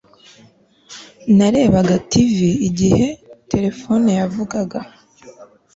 Narebaga TV igihe terefone yavugaga